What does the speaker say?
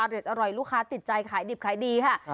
เด็ดอร่อยลูกค้าติดใจขายดิบขายดีค่ะ